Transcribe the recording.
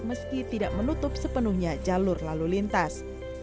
meski tidak menutup sepenuhnya jalur lalu lintas